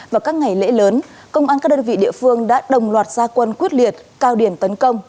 vào các ngày lễ lớn công an các đơn vị địa phương đã đồng loạt gia quân quyết liệt cao điểm tấn công